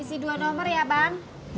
isi dua nomor ya bang